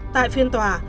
tại phiên tòa